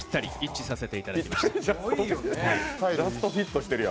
ジャストフィットしてるやん。